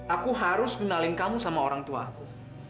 aku harus kenalin kamu sama orang tua aku